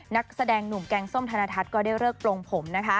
นักแสดงหนุ่มแกงส้มธนทัศน์ก็ได้เลิกโปรงผมนะคะ